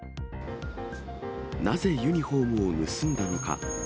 なぜ、ユニホームを盗んだのか。